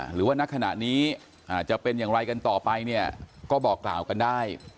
หรือว่านักขณะนี้อาจจะเป็นอย่างไรกันต่อไปเนี่ยก็บอกกล่าวกันได้